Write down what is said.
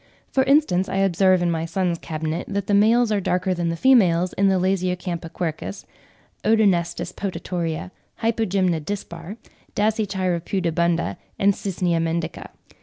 For instance, I observe in my son's cabinet that the males are darker than the females in the Lasiocampa quercus, Odonestis potatoria, Hypogymna dispar, Dasychira pudibunda, and Cycnia mendica.